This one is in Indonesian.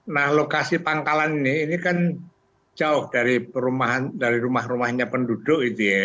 nah lokasi pangkalan ini kan jauh dari rumah rumahnya penduduk